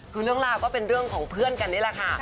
คือเรื่องราวก็เป็นเรื่องของเพื่อนกันนี่แหละค่ะ